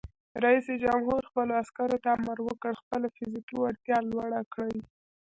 رئیس جمهور خپلو عسکرو ته امر وکړ؛ خپله فزیکي وړتیا لوړه کړئ!